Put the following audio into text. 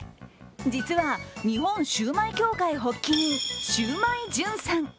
実は、日本シュウマイ協会発起人シュウマイ潤さん。